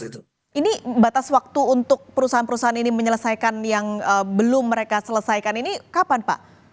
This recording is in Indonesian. ini batas waktu untuk perusahaan perusahaan ini menyelesaikan yang belum mereka selesaikan ini kapan pak